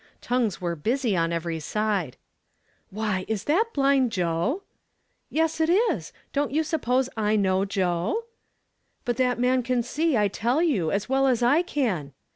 Tongues were busy on every side. " Why, that isn't blind Joe ?"" Yes, it is ! Don't you suppose T know Joe ?"" But that man can see, I tell you, as well as I can."